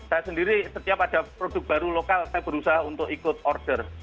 saya sendiri setiap ada produk baru lokal saya berusaha untuk ikut order